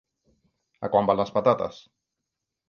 A quant van les patates?